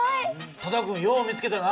多田君よう見つけたな。